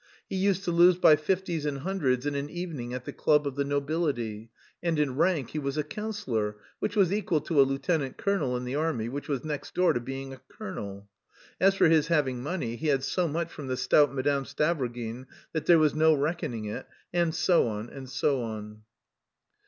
He used to lose by fifties and hundreds in an evening at the club of the nobility, and in rank he was a councillor, which was equal to a lieutenant colonel in the army, which was next door to being a colonel. As for his having money, he had so much from the stout Madame Stavrogin that there was no reckoning it" and so on and so on.